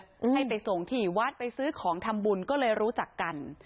ให้ไปส่งที่วัดไปซื้อของทำบุญก็เลยรู้จักกัน